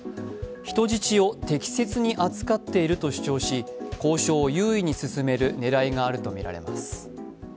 人質を適切に扱っていると主張し交渉を優位に進める狙いがあるとみられます。